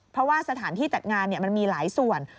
เพราะว่าสถานที่จัดงานมันมีหลายส่วน